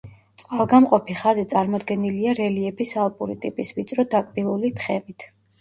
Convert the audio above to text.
წყალგამყოფი ხაზი წარმოდგენილია რელიეფის ალპური ტიპის ვიწრო დაკბილული თხემით.